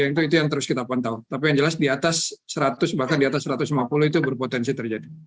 itu yang terus kita pantau tapi yang jelas di atas seratus bahkan di atas satu ratus lima puluh itu berpotensi terjadi